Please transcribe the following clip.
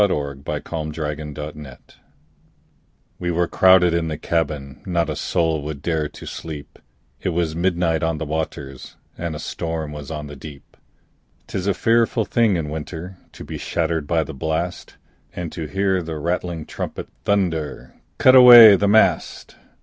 W X . Y Z Ballad of the Tempest WE were crowded in the cabin, Not a soul would dare to sleep, It was midnight on the waters, And a storm was on the deep. 'Tis a fearful thing in winter To be shattered by the blast, And to hear the rattling trumpet Thunder, "Cut away the mast!"